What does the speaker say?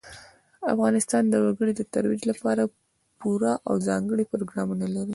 افغانستان د وګړي د ترویج لپاره پوره او ځانګړي پروګرامونه لري.